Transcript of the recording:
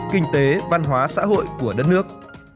kinh tế văn hóa xã hội của đất nước